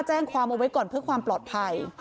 แจ้งความเอาไว้ก่อนเพื่อความปลอดภัย